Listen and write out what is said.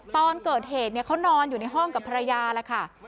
ตอนเกิดเหตุเขานอนอยู่ในห้องกับภรรยาแล้วค่ะ